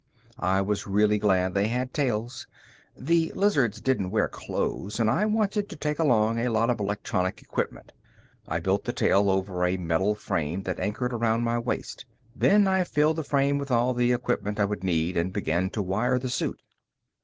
I was really glad they had tails. The lizards didn't wear clothes and I wanted to take along a lot of electronic equipment. I built the tail over a metal frame that anchored around my waist. Then I filled the frame with all the equipment I would need and began to wire the suit.